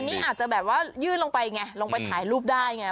อันนี้อาจจะแบบว่ายื่นลงไปไงลงไปถ่ายรูปได้ไง